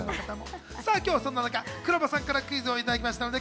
今日はそんな中、黒羽さんからクイズをいただきました。